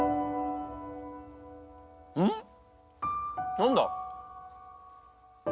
何だ？